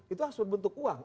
itu harus berbentuk uang